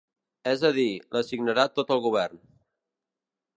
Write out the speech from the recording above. És a dir, la signarà tot el govern.